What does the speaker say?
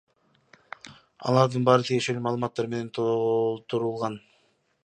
Алардын баары тиешелүү маалыматтар менен толтурулган.